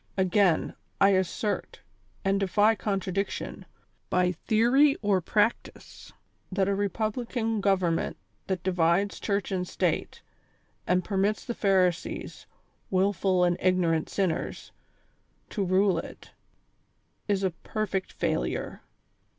Again, I assert, and defy contradiction, by theory or practice, that a rei)ublican government that divides Cliurch and State, and permits the i^harisees, wilful and ignorant sinners, to rule it, is a perfect failure.